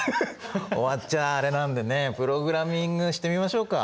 終わっちゃあれなんでねプログラミングしてみましょうか。